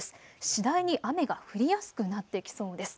次第に雨が降りやすくなってきそうです。